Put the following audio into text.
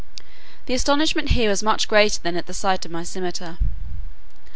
The astonishment here was much greater than at the sight of my scimitar.